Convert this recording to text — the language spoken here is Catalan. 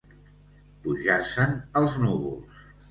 Pujar-se'n als núvols.